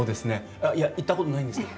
あっいや行ったことないんですけど。